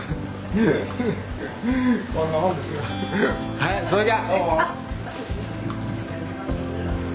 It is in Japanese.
はいそれじゃ！